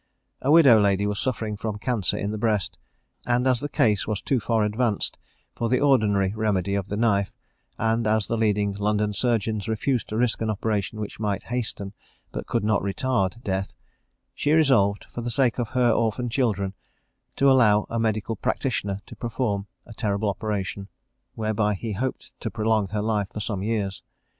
A widow lady was suffering from cancer in the breast, and as the case was too far advanced for the ordinary remedy of the knife, and as the leading London surgeons refused to risk an operation which might hasten, but could not retard, death, she resolved, for the sake of her orphan children, to allow a medical practitioner to perform a terrible operation, whereby he hoped to prolong her life for some years.